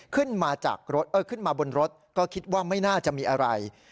ขึ้นมาบนรถก็คิดว่าไม่น่าจะมีอะไร